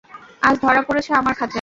আজ ধরা পড়েছে আমার খাঁচায়।